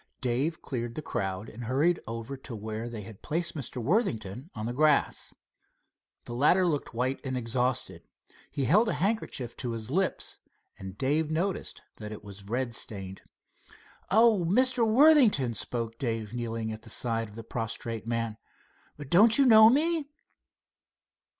Dave cleared the crowd and hurried over to where they had placed Mr. Worthington on the grass. The latter looked white and exhausted. He held a handkerchief to his lips, and Dave noticed that it was red stained. "Oh, Mr. Worthington," spoke Dave, kneeling at the side of the prostrate man. "Don't you know me?"